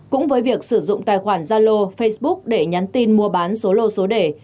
cũng với việc sử dụng tài khoản gia lô facebook để nhắn tin mua bán số lô số đề